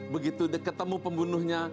begitu ketemu pembunuhnya